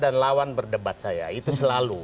dan lawan berdebat saya itu selalu